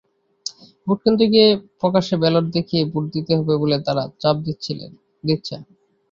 ভোটকেন্দ্রে গিয়ে প্রকাশ্যে ব্যালট দেখিয়ে ভোট দিতে হবে বলে তাঁরা চাপ দিচ্ছেন।